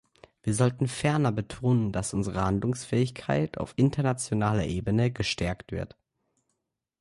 Wir sollten ferner betonen, dass unsere Handlungsfähigkeit auf internationaler Ebene gestärkt wird.